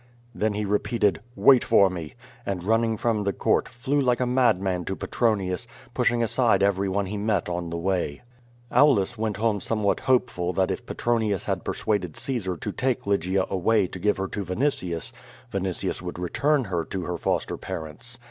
Then he repeated, "Wait for me," and running from the court, flew like a madman to Petronius, pushing aside every one he met on the way. Aulus went home somewhat hopeful that if Petronius hail persuaded Caesar to take Lygia away to give her to Vinitius, Vinitius would return her to her foster parents.